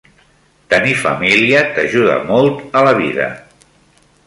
Tenir família t'ajuda molt a la vida.